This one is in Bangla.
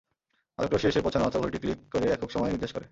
আলোকরশ্মি এসে পৌঁছানোমাত্র ঘড়িটি ক্লিক করে একক সময় নির্দেশ করে।